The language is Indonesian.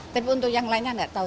tapi untuk yang lainnya nggak tahu